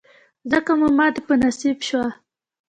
ځکه مو ماتې په نصیب شوه.